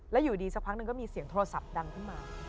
แล้วอยู่ดีสักพักหนึ่งก็มีเสียงโทรศัพท์ดังขึ้นมา